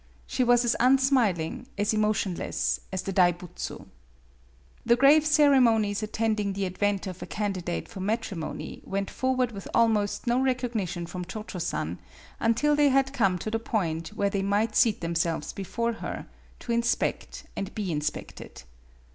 She was as unsmiling, as emotionless, as the Dai Butsu. The grave ceremonies attending the advent of a candidate for matrimony went forward with almost no recognition from Cho Cho San until they had come to the MADAME BUTTERFLY 39 point where they might seat themselves before her, to inspect and be inspected.